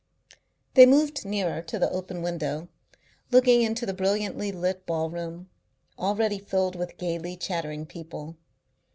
They moved nearer to the open window, looking into the brilliantly lit ballroom, already filled with gaily chattering people.